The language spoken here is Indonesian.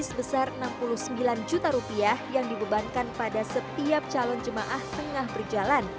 sebesar enam puluh sembilan juta rupiah yang dibebankan pada setiap calon jemaah tengah berjalan